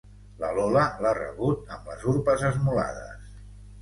La Lola l'ha rebut amb les urpes esmolades.